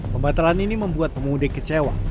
pembatalan ini membuat pemudik kecewa